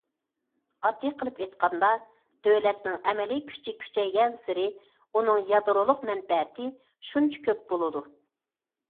ئاددىي قىلىپ ئېيتقاندا، دۆلەتنىڭ ئەمەلىي كۈچى كۈچەيگەنسېرى ئۇنىڭ يادرولۇق مەنپەئەتى شۇنچە كۆپ بولىدۇ.